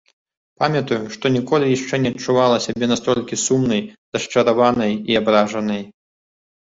Памятаю, што ніколі яшчэ не адчувала сябе настолькі сумнай, расчараванай і абражанай.